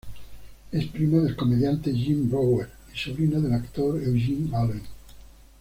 Es prima del comediante Jim Breuer y sobrina del actor Eugene Allen.